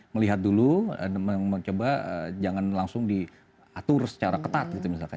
melihat dulu mencoba jangan langsung diatur secara ketat gitu misalkan